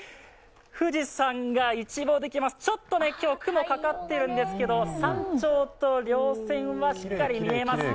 富士山が一望できます、ちょっと今日、雲がかかっているんですが、山頂とりょう線はしっかり見えますね、